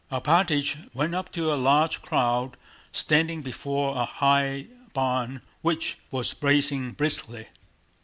Alpátych went up to a large crowd standing before a high barn which was blazing briskly.